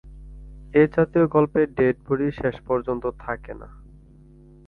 এ-জাতীয় গল্পে ডেডবডি শেষ পর্যন্ত থাকে না।